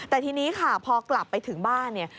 แต่ทีนี้ค่ะพอกลับไปถึงบ้านเนี่ย